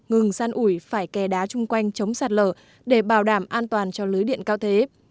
ngừng san ủi phải kè đá chung quanh chống sạt lở để bảo đảm an toàn cho lưới điện cao thế